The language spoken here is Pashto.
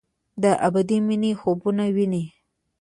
د ابدي مني خوبونه ویني